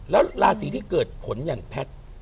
แล้วราศีที่เกิดผลอย่างแพทย์